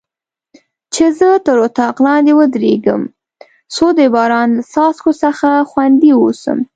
چې زه تر طاق لاندې ودریږم، څو د باران له څاڅکو څخه خوندي واوسم.